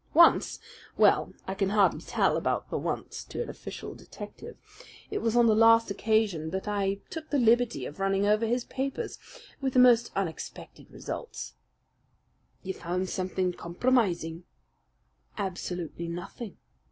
Once well, I can hardly tell about the once to an official detective. It was on the last occasion that I took the liberty of running over his papers with the most unexpected results." "You found something compromising?" "Absolutely nothing.